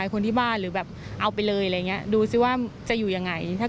สวปัจจุบันนี้นะครับใช่ค่ะ